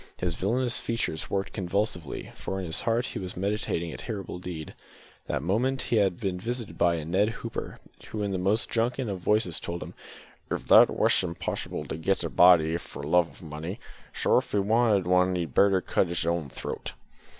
His villainous features worked convulsively, for in his heart he was meditating a terrible deed. That morning he had been visited by Ned Hooper, who in the most drunken of voices told him, "that it wash 'mposh'ble to git a body f'r love or munny, so if 'e wanted one he'd better cut's own throat."